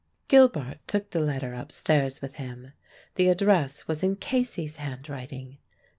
Gilbart took the letter upstairs with him. The address was in Casey's handwriting.